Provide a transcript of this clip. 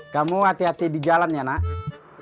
kamu hati hati di jalan ya nak